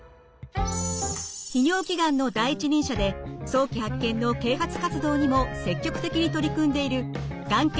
泌尿器がんの第一人者で早期発見の啓発活動にも積極的に取り組んでいるがん研